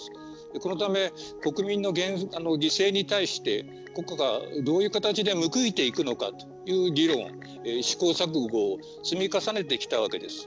このため、国民の犠牲に対して国家が、どういう形で報いていくのかという議論、試行錯誤を積み重ねてきたわけです。